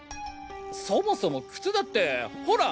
そもそも靴だってほら！